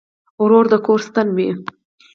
ورور د کور ستن وي.